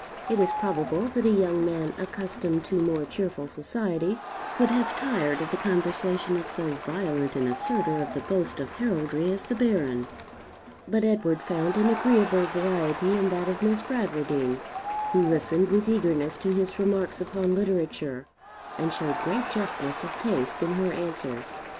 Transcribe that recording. It is probable that a young man, accustomed to more cheerful society, would have tired of the conversation of so violent an assertor of the 'boast of heraldry' as the Baron; but Edward found an agreeable variety in that of Miss Bradwardine, who listened with eagerness to his remarks upon literature, and showed great justness of taste in her answers.